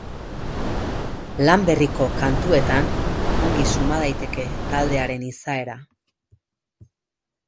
Lan berriko kantuetan ongi suma daiteke taldearen izaera.